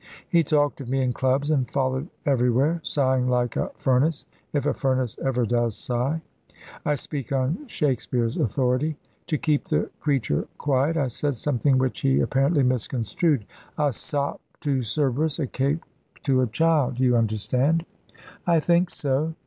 He talked of me in clubs and followed everywhere, sighing like a furnace if a furnace ever does sigh. I speak on Shakespeare's authority. To keep the creature quiet I said something which he apparently misconstrued a sop to Cerberus, a cake to a child. You understand." "I think so.